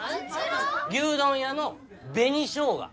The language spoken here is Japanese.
牛丼屋の紅しょうが。